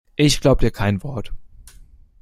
Ich glaub dir kein Wort!